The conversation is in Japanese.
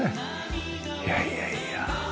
いやいやいや。